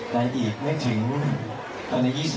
ในอีกไม่ถึง๒๑วัน